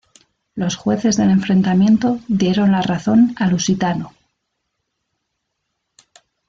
Los jueces del enfrentamiento dieron la razón a Lusitano.